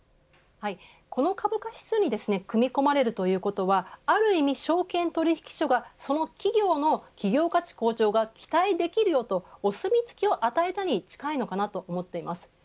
この株価指数に組み込まれるということはある意味、証券取引所がその企業の企業価値向上が期待できるとお墨付きを与えたに近いのかなと思っています。